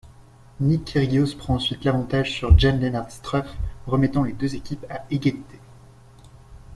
Nick Kyrgios prend ensuite l'avantage sur Jan-Lennard Struff, remettant les deux équipes à égalité.